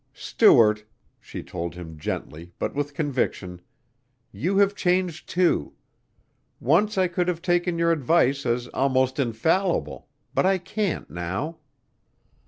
"Stuart," she told him gently but with conviction, "you have changed, too. Once I could have taken your advice as almost infallible, but I can't now."